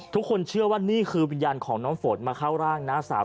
ทุกคนเชื่อว่านี่คือวิญญาณของน้องฝนมาเข้าร่างน้าสาว